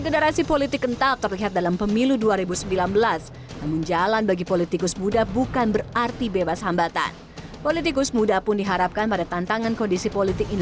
dari satu ratus delapan puluh lima juta daftar pemilih tetap